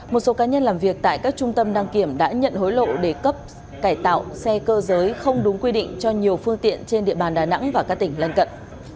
một số cá nhân làm việc tại các trung tâm đăng kiểm đã nhận hối lộ để cấp cải tạo xe cơ giới không đúng quy định cho nhiều phương tiện trên địa bàn đà nẵng và các tỉnh lân cận